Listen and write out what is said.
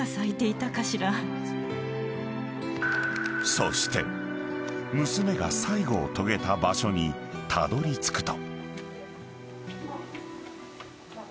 ［そして娘が最期を遂げた場所にたどりつくと］